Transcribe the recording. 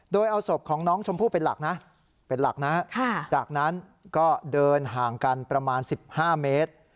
โดยเอาศพของน้องชมพู่เป็นหลักนะเป็นหลักนะจากนั้นก็เดินห่างกันประมาณ๑๕เมตร